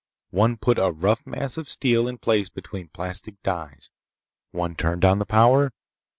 One put a rough mass of steel in place between plastic dies. One turned on the power.